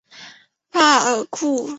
帕尔库。